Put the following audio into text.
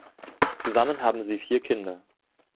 Zusammen haben sie vier Kinder.